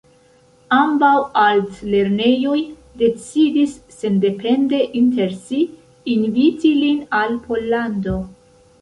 Ambaŭ altlernejoj decidis sendepende inter si inviti lin al Pollando.